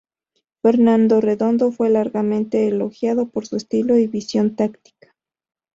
Fernando Redondo fue largamente elogiado por su estilo y visión táctica.